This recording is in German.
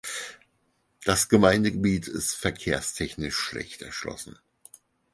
Das Gemeindegebiet ist verkehrstechnisch schlecht erschlossen.